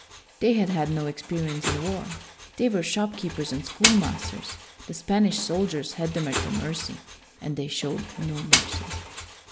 They had had no experience in war. They were shopkeepers and schoolmasters. The Spanish soldiers had them at their mercy, and they showed no mercy.